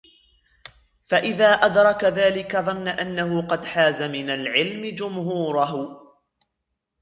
فَإِذَا أَدْرَكَ ذَلِكَ ظَنَّ أَنَّهُ قَدْ حَازَ مِنْ الْعِلْمِ جُمْهُورَهُ